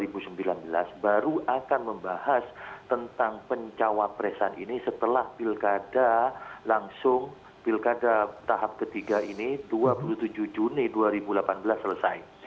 pemilu baru akan membahas tentang pencawapresan ini setelah pilkada langsung pilkada tahap ketiga ini dua puluh tujuh juni dua ribu delapan belas selesai